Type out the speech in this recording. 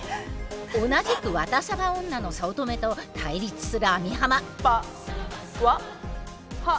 同じくワタサバ女の早乙女と対立する網浜。